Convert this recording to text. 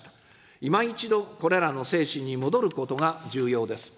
今一度、これらの精神に戻ることが重要です。